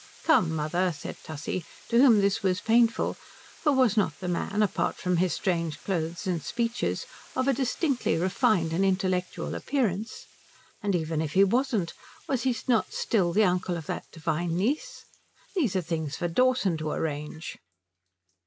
"Come, mother," said Tussie, to whom this was painful, for was not the man, apart from his strange clothes and speeches, of a distinctly refined and intellectual appearance? And even if he wasn't, was he not still the uncle of that divine niece? "these are things for Dawson to arrange."